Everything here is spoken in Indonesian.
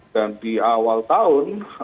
dan di awal tahun